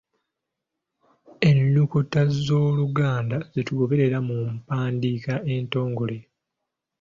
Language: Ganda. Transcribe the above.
Ennukuta Z’Oluganda ze tugoberera mu mpandiika entongole.